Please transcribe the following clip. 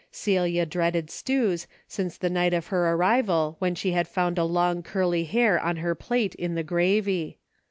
Celia dreaded stews since the night of her ar rival when she had found a long curly hair on her plate in the gravy.